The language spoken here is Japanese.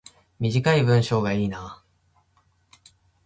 短い文章がいいな